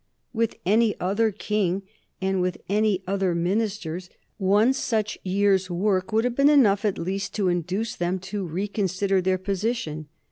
With any other king and with any other ministers one such year's work would have been enough at least to induce them to reconsider their position.